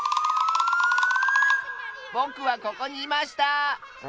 ぼくはここにいました！